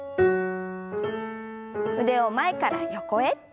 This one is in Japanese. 腕を前から横へ。